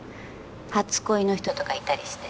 「初恋の人とかいたりして」